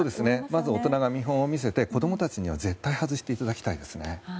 まず大人が見本を見せて子供達には絶対に外していただきたいですね。